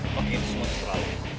lo pake insumon terlalu